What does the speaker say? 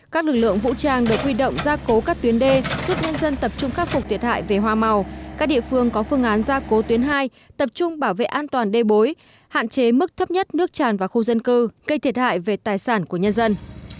các lực lượng vũ trang được huy động gia cố các tuyến đê giúp nhân dân tập trung khắc phục thiệt hại về hoa màu các địa phương có phương án gia cố tuyến hai tập trung bảo vệ an toàn đê bối hạn chế mức thấp nhất nước tràn vào khu dân cư gây thiệt hại về tài sản của nhân dân